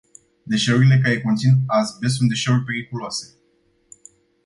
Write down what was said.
Deșeurile care conțin azbest sunt deșeuri periculoase.